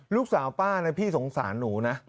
ลูกสาวป้านะพี่สงสารหนูนะ